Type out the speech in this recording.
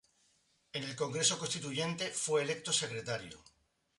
En el Congreso Constituyente, fue electo secretario.